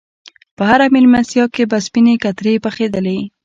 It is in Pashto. په هره میلمستیا کې به سپینې کترې پخېدلې.